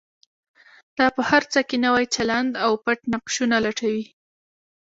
دا په هر څه کې نوی چلند او پټ نقشونه لټوي.